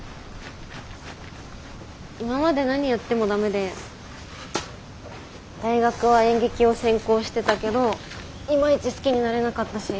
今まで何やってもダメで大学は演劇を専攻してたけどいまいち好きになれなかったし。